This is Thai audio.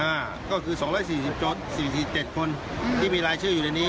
อ่าก็คือสองร้อยสี่สิบจนสี่สี่เจ็ดคนที่มีรายชื่ออยู่ในนี้